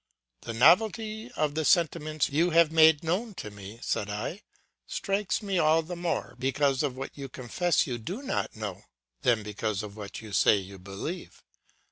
"The novelty of the sentiments you have made known to me," said I, "strikes me all the more because of what you confess you do not know, than because of what you say you believe.